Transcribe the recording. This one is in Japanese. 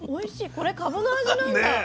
これかぶの味なんだ。